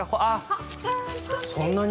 そんなに？